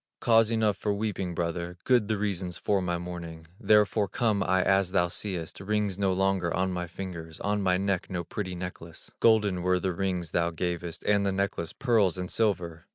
"Cause enough for weeping, brother, Good the reasons for my mourning: Therefore come I as thou seest, Rings no longer on my fingers, On my neck no pretty necklace; Golden were the rings thou gavest, And the necklace, pearls and silver!"